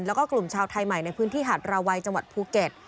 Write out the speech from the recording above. แล้วก็กลุ่มชาวไทยใหม่ในพื้นที่หาดราวัยจังหวัดภูเก็ต